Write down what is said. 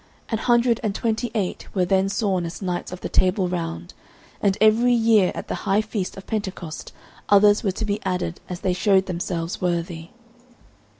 An hundred and twenty eight were then sworn as Knights of the Table Round, and every year at the high feast of Pentecost others were to be added as they showed themselves worthy.